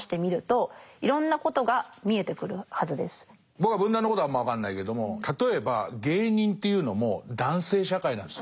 僕は文壇のことはあんま分かんないけども例えば芸人っていうのも男性社会なんですよ。